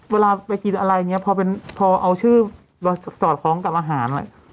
เวลาไปกินอะไรเนี่ยพอเป็นพอเอาชื่อสอดพร้อมกับอาหาร